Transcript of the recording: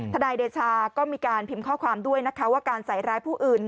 นายเดชาก็มีการพิมพ์ข้อความด้วยนะคะว่าการใส่ร้ายผู้อื่น